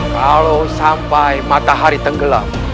kalau sampai matahari tenggelam